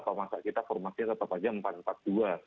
apa maksud kita formasinya tetap saja empat empat dua